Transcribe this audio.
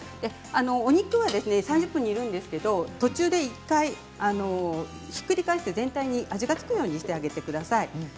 お肉は３０分煮るんですけれど途中で１回ひっくり返して全体に味が付くようにしてください。